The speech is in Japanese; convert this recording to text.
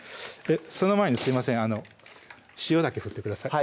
その前にすいません塩だけ振ってください